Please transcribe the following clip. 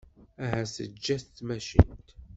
Ahat teǧǧa-t tmacint.